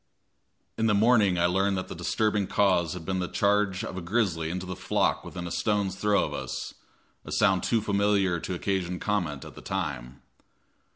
In the morning I learned that the disturbing cause had been the charge of a grizzly into the flock within a stone's throw of us, a sound too familiar to occasion comment at the time.